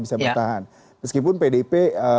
bisa bertahan meskipun pdp